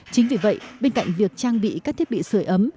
chính vì vậy bên cạnh việc trang bị các thiết bị sửa ấm